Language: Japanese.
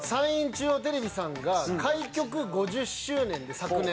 中央テレビさんが開局５０周年で昨年。